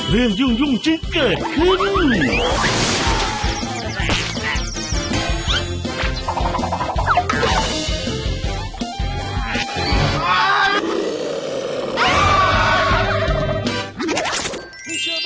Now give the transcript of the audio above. เรื่องยุ่งยุ่งจิ๊กเกิดขึ้น